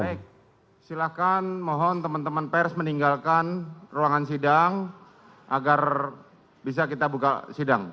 baik silakan mohon teman teman pers meninggalkan ruangan sidang agar bisa kita buka sidang